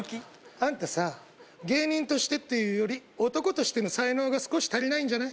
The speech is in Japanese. あんたさ芸人としてっていうより男としての才能が少し足りないんじゃない？